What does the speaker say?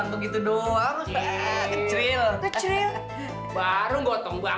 mau gitu dong